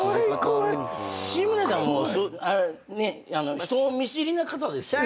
志村さんも人見知りな方ですよね。